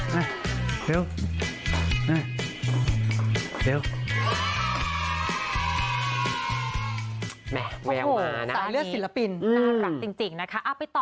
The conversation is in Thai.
แม่แววมาน่ะสายเลือดศิลปินน่ารักจริงจริงนะคะอะไปต่อ